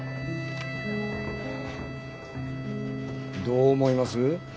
どう思います？